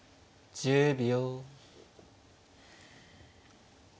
１０秒。